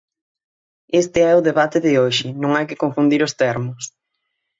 Este é o debate de hoxe, non hai que confundir os termos.